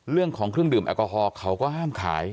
เรื่องของเครื่องดื่มแอลกอฮอล์เขาก็ห้ามขาย